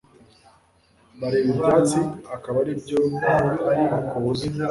Bareba ibyatsi akaba aribyo bakubuza